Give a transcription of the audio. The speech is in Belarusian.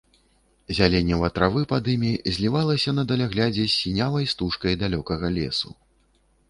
Зяленіва травы пад імі злівалася на даляглядзе з сінявай істужкай далёкага лесу.